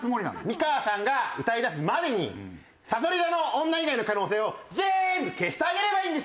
美川さんが歌いだすまでにさそり座の女以外の可能性を全部消してあげればいいんですよ。